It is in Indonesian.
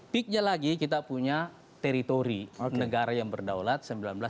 peaknya lagi kita punya teritori negara yang berdaulat seribu sembilan ratus empat puluh lima